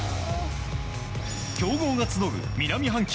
強豪が集う南半球